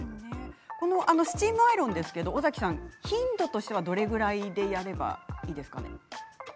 スチームアイロンですけれども、尾崎さん頻度としてはどのくらいやればいいですか。